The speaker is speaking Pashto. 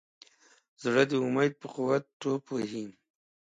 زړه د امید په قوت ټوپ وهي.